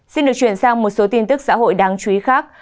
xin được chuyển sang một số tin tức xã hội đáng chú ý khác